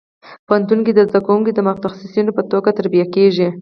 پوهنتون کې زده کوونکي د متخصصینو په توګه تربیه کېږي.